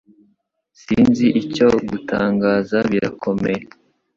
Sinzi icyo gutangaza birakomeye